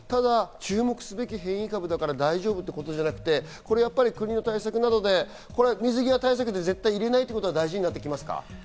注目すべき変異株だから大丈夫ということではなく、国の対策などで水際対策で絶対に入れないことが大事になりますか。